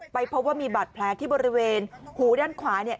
พบว่ามีบาดแผลที่บริเวณหูด้านขวาเนี่ย